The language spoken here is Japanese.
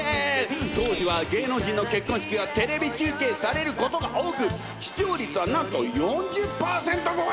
当時は芸能人の結婚式がテレビ中継されることが多く視聴率はなんと４０％超え！